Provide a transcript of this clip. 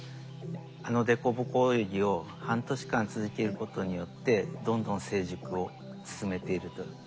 あの凸凹泳ぎを半年間続けることによってどんどん成熟を進めているということが分かってきたんです。